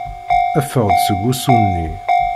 Ffeɣ-d seg wusu-nni.